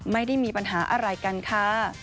ไม่ได้มีปัญหาอะไรกันค่ะ